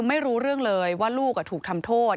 ไม่รู้เรื่องเลยว่าลูกถูกทำโทษ